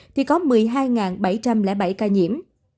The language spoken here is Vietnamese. thì có một mươi hai bảy trăm linh bảy ca nhiễm